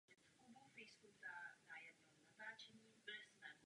Zastával i významné funkce v československé lidové armádě.